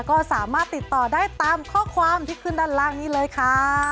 ก็สามารถติดต่อได้ตามข้อความที่ขึ้นด้านล่างนี้เลยค่ะ